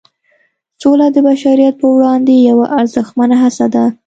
سوله د بشریت پر وړاندې یوه ارزښتمنه هڅه ده.